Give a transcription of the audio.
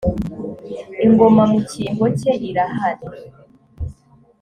ingoma mu cyimbo cye irahari